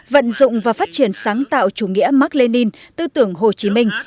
vận dụng và phát triển sáng tạo chủ nghĩa mark lenin tư tưởng hồ chí minh